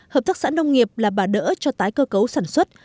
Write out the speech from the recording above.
hợp tác xã nông nghiệp là bà đỡ cho tái cơ cấu sản xuất